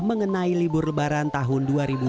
mengenai libur lebaran tahun dua ribu dua puluh